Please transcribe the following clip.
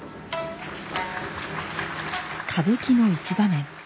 歌舞伎の一場面。